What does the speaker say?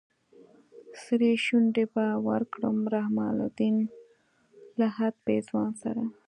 سرې شونډې به ورکړم رحم الدين لهد پېزوان سره